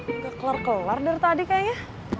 udah kelar kelar dari tadi kayaknya